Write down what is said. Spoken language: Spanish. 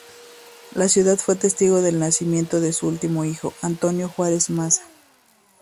La ciudad fue testigo del nacimiento de su último hijo, Antonio Juárez Maza.